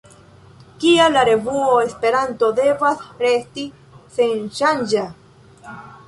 Kial la revuo Esperanto devas resti senŝanĝa?